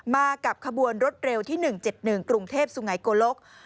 มากับขบวนรถเร็วที่๑๗๑กรุงเทพสุไงโกลก